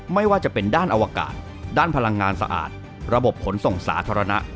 ไม่ว่าจะเป็นด้านอวกาศด้านพลังงานสะอาดระบบขนส่งสาธารณะ